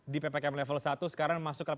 di ppkm level satu sekarang masuk